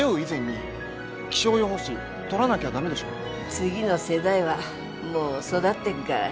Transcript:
次の世代はもう育ってっがら。